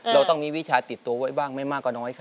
เราต้องมีวิชาติดตัวไว้บ้างไม่มากกว่าน้อยค่ะ